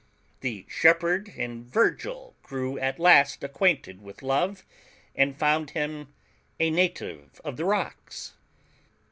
The shepherd in Virgil grew at last acquainted with Love, and found him a native of the rocks.